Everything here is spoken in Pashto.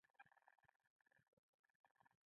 اوبه د طبیعت سکون ده.